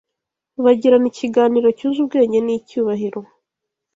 bagirana ikiganiro cyuje ubwenge n’icyubahiro